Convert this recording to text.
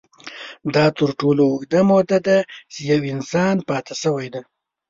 دا تر ټولو اوږده موده ده، چې یو انسان پاتې شوی دی.